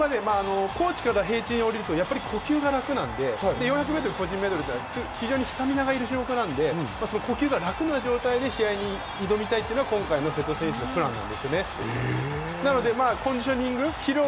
コーチから平地に下りると呼吸が楽なのでスタミナがいる競技なので、呼吸が楽な状態で試合に挑みたいというのは今回の瀬戸選手のプランなんです。